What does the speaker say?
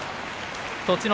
栃ノ